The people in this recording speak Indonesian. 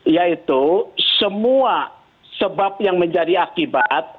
yaitu semua sebab yang menjadi akibat